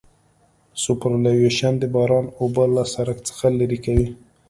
سوپرایلیویشن د باران اوبه له سرک څخه لرې کوي